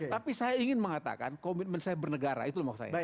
tapi saya ingin mengatakan komitmen saya bernegara itu maksud saya